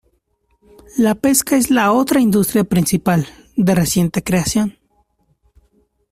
La pesca es la otra industria principal, de reciente creación.